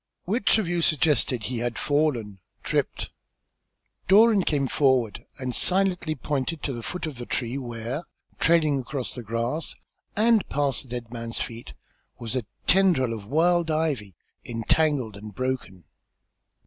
"Which of you suggested that he had fallen tripped?" Doran came forward and silently pointed to the foot of the tree, where, trailing across the grass, and past the dead man's feet, was a tendril of wild ivy entangled and broken.